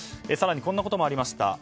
更にこんなこともありました。